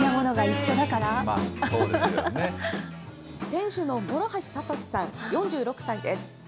店主の諸橋賢さん４６歳です。